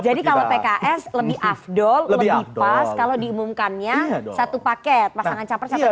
kalau pks lebih afdol lebih pas kalau diumumkannya satu paket pasangan capres satu